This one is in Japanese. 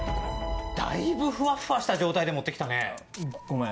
だいぶフワッフワした状態で持って来たね。ごめん。